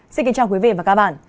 xin kính chào quý vị và các bạn